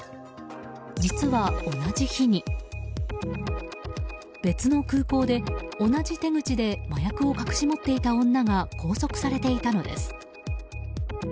実は、同じ日に別の空港で、同じ手口で麻薬を隠し持っていた女が拘束されていたのです。